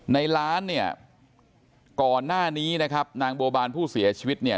ในร้านเนี่ยก่อนหน้านี้นะครับนางบัวบานผู้เสียชีวิตเนี่ย